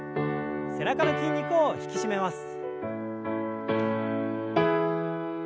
背中の筋肉を引き締めます。